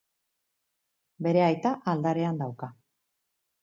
Bere aita aldarean dauka.